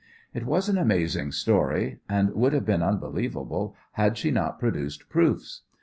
It was an amazing story, and would have been unbelievable had she not produced proofs.